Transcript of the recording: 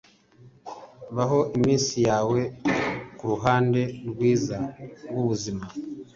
baho iminsi yawe kuruhande rwiza rwubuzima